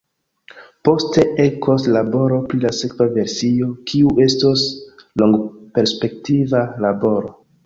Poste ekos laboro pri la sekva versio, kiu estos longperspektiva laboro.